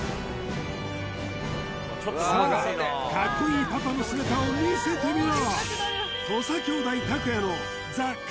さあかっこいいパパの姿を見せてみろ！